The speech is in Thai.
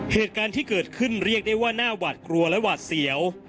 เหตุการณ์ที่เกิดขึ้นเรียกได้ว่าน่าหวาดกลัวและหวาดเสียว